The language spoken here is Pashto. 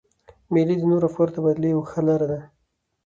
مېلې د نوو افکارو د تبادلې یوه ښه لاره ده.